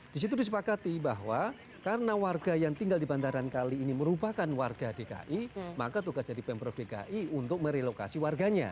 di situ disepakati bahwa karena warga yang tinggal di bantaran kali ini merupakan warga dki maka tugas dari pemprov dki untuk merelokasi warganya